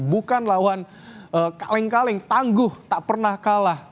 bukan lawan kaleng kaleng tangguh tak pernah kalah